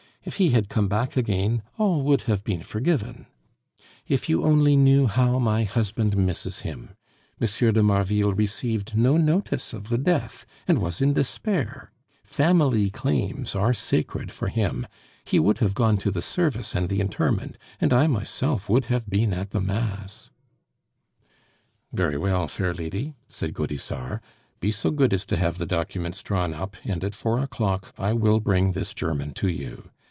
If he had come back again, all would have been forgiven. If you only knew how my husband misses him! M. de Marville received no notice of the death, and was in despair; family claims are sacred for him, he would have gone to the service and the interment, and I myself would have been at the mass " "Very well, fair lady," said Gaudissart. "Be so good as to have the documents drawn up, and at four o'clock I will bring this German to you.